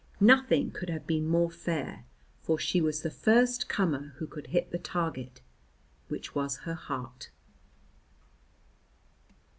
Nothing could have been more fair, for she was for the first comer who could hit the target, which was her heart.